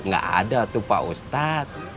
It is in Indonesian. gak ada tuh pak ustadz